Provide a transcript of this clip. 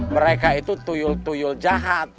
mereka itu tuyul tuyul jahat